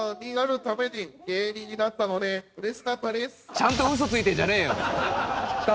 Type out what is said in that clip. ちゃんと嘘ついてんじゃねえよ！